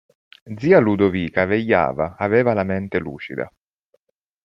Zia Ludovica vegliava, aveva la mente lucida.